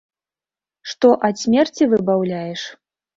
Што ад смерці выбаўляеш?